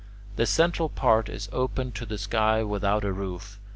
The central part is open to the sky, without a roof.